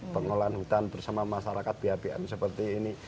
pengelolaan hutan bersama masyarakat biaya biaya seperti ini